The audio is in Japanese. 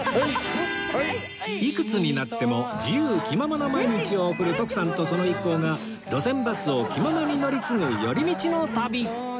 いくつになっても自由気ままな毎日を送る徳さんとその一行が路線バスを気ままに乗り継ぐ寄り道の旅